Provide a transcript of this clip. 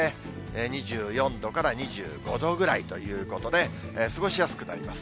２４度から２５度ぐらいということで、過ごしやすくなります。